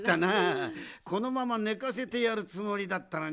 このままねかせてやるつもりだったのによ。